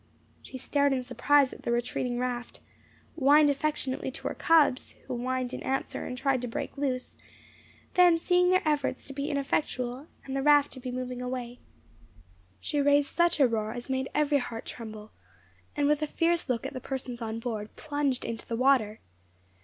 She stared in surprise at the retreating raft, whined affectionately to her cubs, who whined in answer, and tried to break loose; then seeing their efforts to be ineffectual, and the raft to be moving away, she raised such a roar as made every heart tremble, and with a fierce look at the persons on board plunged into the water.